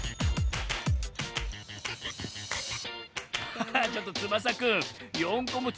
ハハッちょっとつばさくん４こもち